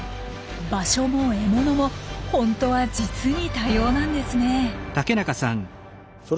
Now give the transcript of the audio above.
場所も獲物も本当は実に多様なんですね。